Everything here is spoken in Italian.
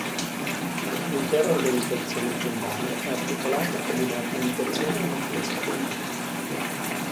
L'intera organizzazione aziendale è articolata come un'organizzazione a matrice.